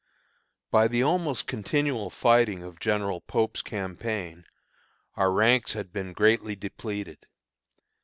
By the almost continual fighting of General Pope's campaign, our ranks had been greatly depleted.